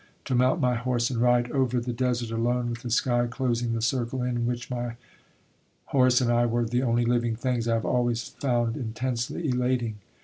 To mount my horse and ride over the desert alone with the sky closing the circle in which my horse and I were the only living things, I have always found intensely elating.